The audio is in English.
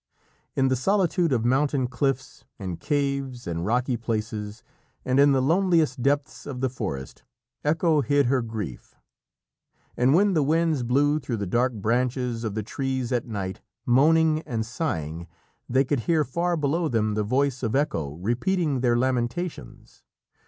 In the solitude of mountain cliffs and caves and rocky places, and in the loneliest depths of the forest, Echo hid her grief, and when the winds blew through the dark branches of the trees at night, moaning and sighing, they could hear far below them the voice of Echo repeating their lamentations.